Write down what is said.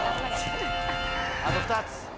あと２つ。